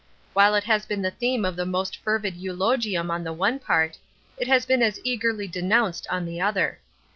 While it has been the theme of the most fervid eulogium on the one part, it has been as eagerly denounced on the other.